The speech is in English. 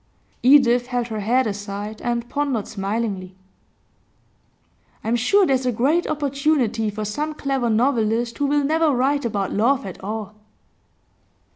Edith held her head aside, and pondered smilingly. 'I'm sure there's a great opportunity for some clever novelist who will never write about love at all.